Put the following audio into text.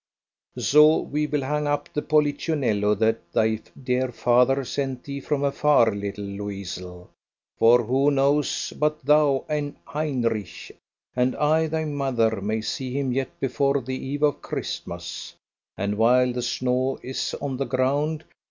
"SO we will hang up the Polichinello that thy dear father sent thee from afar, little Loisl; for who knows but thou and Heinrich, and I, thy mother, may see him yet before the eve of Christmas, and while the snow is on the ground.